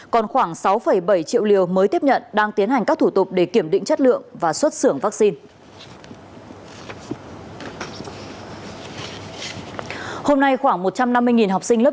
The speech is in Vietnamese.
còn khoảng sáu bảy triệu liều mới tiếp nhận đang tiến hành các thủ tục để kiểm định chất lượng và xuất xưởng vaccine